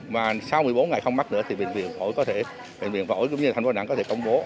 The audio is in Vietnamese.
và sau một mươi bốn ngày không mắc nữa thì bệnh viện phổi cũng như thành phố đà nẵng có thể công bố